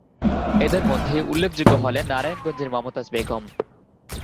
এদের মধ্যে উল্লেখযোগ্য হলেন নারায়ণগঞ্জের মমতাজ বেগম।